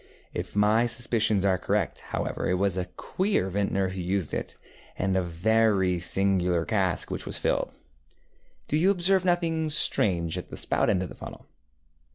If my suspicions are correct, however, it was a queer vintner who used it, and a very singular cask which was filled. Do you observe nothing strange at the spout end of the funnel.